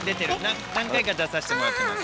何回か出さしてもらってます。